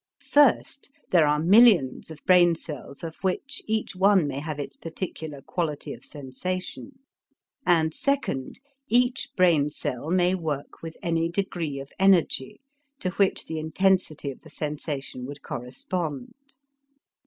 First, there are millions of brain cells of which each one may have its particular quality of sensation, and second, each brain cell may work with any degree of energy, to which the intensity of the sensation would correspond.